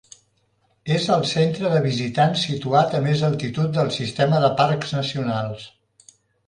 És el centre de visitants situat a més altitud del Sistema de Parcs Nacionals.